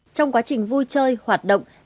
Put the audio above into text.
trong quá trình vui chơi hoạt động